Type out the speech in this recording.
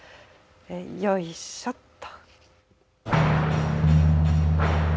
よいしょっと。